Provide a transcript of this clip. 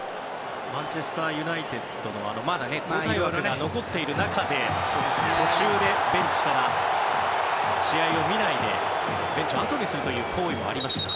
マンチェスター・ユナイテッドの交代枠が残っている中で途中から試合を見ないでベンチを後にするという行為もありました。